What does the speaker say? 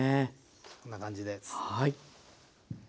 こんな感じです。